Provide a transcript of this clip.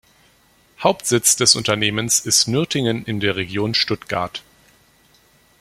Hauptsitz des Unternehmens ist Nürtingen in der Region Stuttgart.